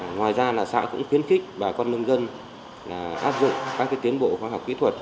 ngoài ra xã cũng khuyến khích bà con nông dân áp dụng các tiến bộ khoa học kỹ thuật